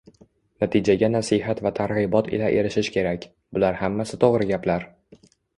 “natijaga nasihat va targ‘ibot ila erishish kerak” – bular hammasi to‘g‘ri gaplar.